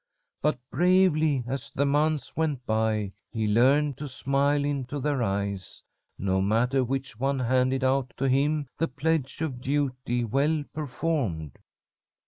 But bravely as the months went by he learned to smile into their eyes, no matter which one handed out to him the pledge of Duty well performed.